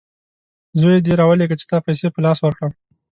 زوی دي راولېږه چې ستا پیسې په لاس ورکړم!